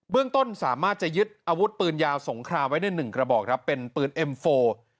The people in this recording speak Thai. เรื่องต้นสามารถจะยึดอาวุธปืนยาวสงครามไว้ในหนึ่งกระบอกครับเป็นปืนเอ็มโฟ